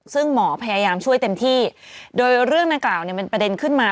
ซึ่งหมอพยายามช่วยเต็มที่โดยเรื่องดังกล่าวเนี่ยเป็นประเด็นขึ้นมา